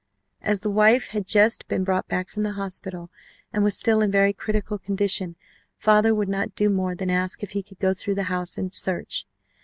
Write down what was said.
As the wife had just been brought back from the hospital and was still in a very critical condition, father would not do more than ask if he might go through the house and search.